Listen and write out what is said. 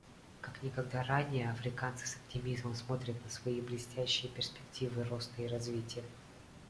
Как никогда ранее африканцы с оптимизмом смотрят на свои блестящие перспективы роста и развития.